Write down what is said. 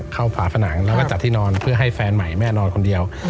ฝาผนังแล้วก็จัดที่นอนเพื่อให้แฟนใหม่แม่นอนคนเดียว